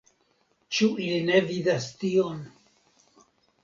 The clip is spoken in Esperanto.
Ĉu ili ne vidas tion.